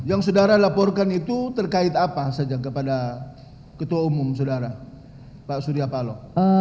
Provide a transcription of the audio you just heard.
yang saudara laporkan itu terkait apa saja kepada ketua umum saudara pak surya paloh